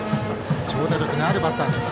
長打力のあるバッターです。